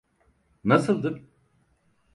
Nasıldım?